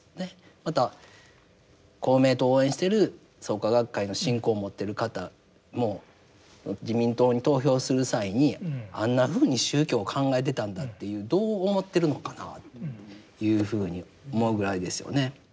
また公明党を応援してる創価学会の信仰を持ってる方も自民党に投票する際にあんなふうに宗教を考えてたんだっていうどう思ってるのかなというふうに思うぐらいですよね。